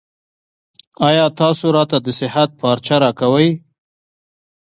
ایا تاسو راته د صحت پارچه راکوئ؟